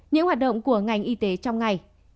những hoạt động của ngành y tế trong ngày